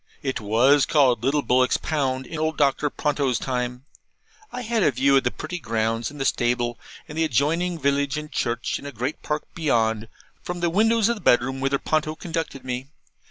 It was called Little Bullock's Pound in old Doctor Ponto's time. I had a view of the pretty grounds, and the stable, and the adjoining village and church, and a great park beyond, from the windows of the bedroom whither Ponto conducted me.